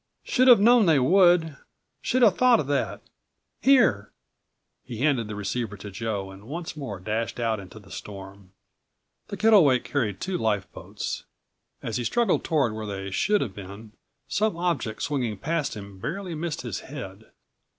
Should have known they would. Should have thought of that. Here!" He handed the receiver to Joe and once more dashed out into the storm. The Kittlewake carried two lifeboats. As he struggled toward where they should have been, some object swinging past him barely missed his head.